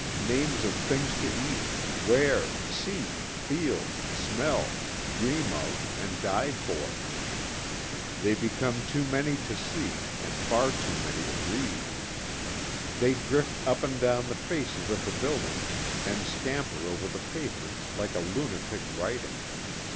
Names of things to eat, wear, see, feel, smell, dream of and die for they become too many to see and far too many to read. They drift up and down the faces of the buildings and scamper over the pavements like a lunatic writing.